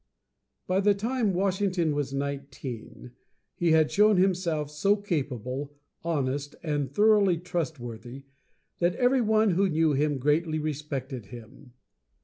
By the time Washington was nineteen, he had shown himself so capable, honest, and thoroughly trustworthy that every one who knew him greatly respected him.